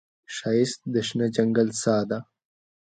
ښایست د شنه ځنګل ساه ده